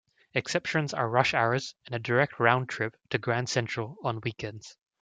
Exceptions are rush hours and a direct round-trip to Grand Central on weekends.